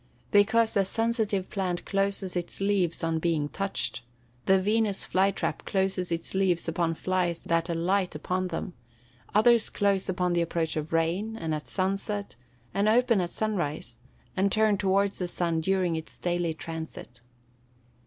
_ Because the sensitive plant closes its leaves on being touched; the Venus's fly trap closes its leaves upon flies that alight upon them; others close upon the approach of rain, and at sunset, and open at sunrise, and turn towards the sun during its daily transit.